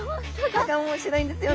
歯が面白いんですよね。